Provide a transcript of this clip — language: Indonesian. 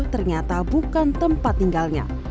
ternyata bukan tempat tinggalnya